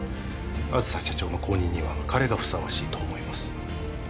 梓社長の後任には彼がふさわしいと思います